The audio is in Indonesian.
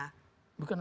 bukan masalah dana